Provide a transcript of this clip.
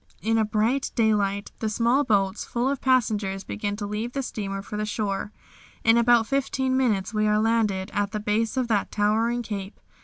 in a bright daylight, the small boats full of passengers begin to leave the steamer for the shore. In about fifteen minutes we are landed at the base of that towering Cape.